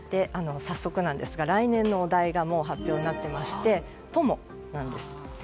早速ですが、来年のお題がもう発表になっていまして「友」なんです。